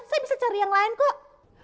saya bisa cari yang lain kok